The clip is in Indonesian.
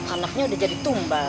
anaknya udah jadi tumbal